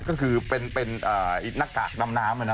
ก็คือเป็นนากะน้ำนะครับ